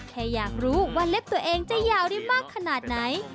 แค่อยากรู้ว่าเล็บตัวเองจะยาวได้มากขนาดไหน